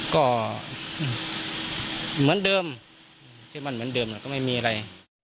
ก็เหมือนเดิมเชื่อมั่นเหมือนเดิมแล้วก็ไม่มีอะไร